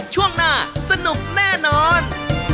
ช่วงหน้าสนุกแน่นอน